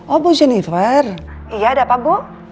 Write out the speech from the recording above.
oh bu jennifer iya ada apa bu